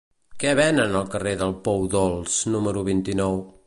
Què venen al carrer del Pou Dolç número vint-i-nou?